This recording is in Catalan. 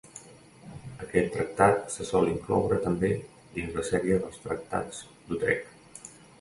Aquest tractat se sol incloure també dins la sèrie de tractats d'Utrecht.